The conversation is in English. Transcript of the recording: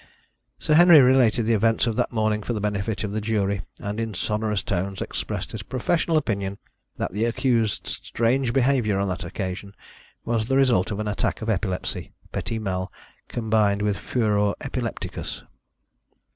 Sir Henry related the events of that morning for the benefit of the jury, and in sonorous tones expressed his professional opinion that the accused's strange behaviour on that occasion was the result of an attack of epilepsy petit mal, combined with furor epilepticus.